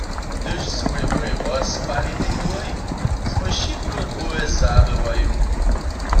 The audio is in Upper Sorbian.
Hdyž smój mój rozpalitej byłoj, smój wšitko druhe zabyłoj.